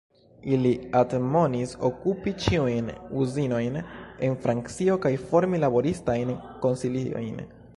Ili admonis okupi ĉiujn uzinojn en Francio kaj formi laboristajn konsiliojn.